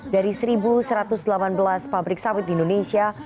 dari satu satu ratus delapan belas pabrik sawit di indonesia